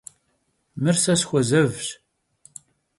Mır se sxuezevş.